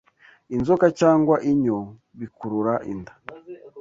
Inzoka cyangwa inyo bikurura inda